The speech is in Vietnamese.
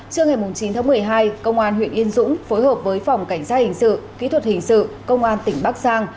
trưa ngày chín tháng một mươi hai công an huyện yên dũng phối hợp với phòng cảnh sát hình sự kỹ thuật hình sự công an tỉnh bắc giang